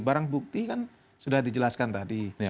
barang bukti kan sudah dijelaskan tadi